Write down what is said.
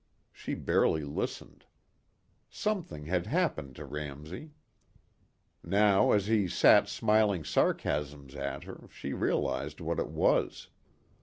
She barely listened. Something had happened to Ramsey. Now as he sat smiling sarcasms at her she realized what it was.